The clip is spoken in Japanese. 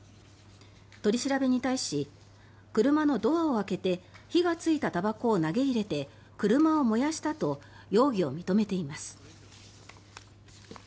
取り調べに対し車のドアを開けて火がついたたばこを投げ入れて車を燃やしたと容疑を認めています。